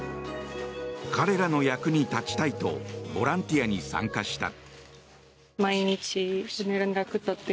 彼らの役に立ちたいとボランティアに参加した。